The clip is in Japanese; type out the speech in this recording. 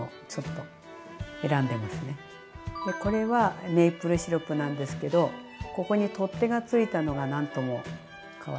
これはメープルシロップなんですけどここに取っ手がついたのがなんともかわいいかな。